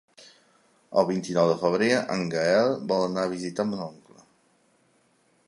El vint-i-nou de febrer en Gaël vol anar a visitar mon oncle.